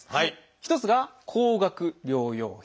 １つが「高額療養費」。